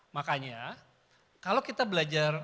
makanya kalau kita belajar